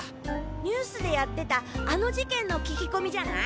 ニュースでやってたあの事件の聞き込みじゃない？